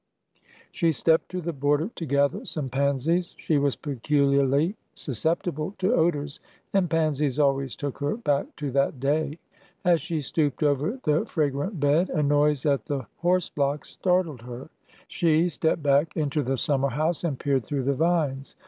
She stepped to the border to gather some pansies. She was peculiarly susceptible to odors, and pansies always took her back to that day. As she stooped over the fra grant bed, a noise at the horse blocks startled her. She 265 266 ORDER NO. 11 stepped back into the summer house and peered through the vines.